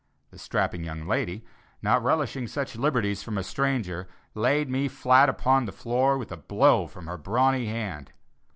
The strapping young lady, not relishing such liberties from a stranger, laid me flat upon the floor with a blow from her brawny hand.